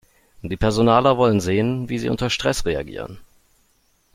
Die Personaler wollen sehen, wie Sie unter Stress reagieren.